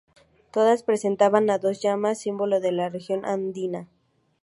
Todas presentaban a dos llamas, símbolo de la región andina.